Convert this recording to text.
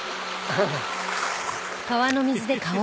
ハハハ。